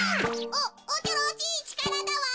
おおちょろちいちからだわん。